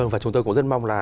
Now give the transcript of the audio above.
và chúng tôi cũng rất mong là